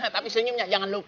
tapi senyumnya jangan lupa